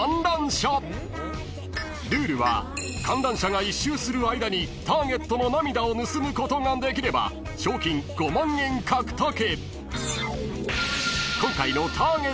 ［ルールは観覧車が１周する間にターゲットの涙を盗むことができれば賞金５万円獲得］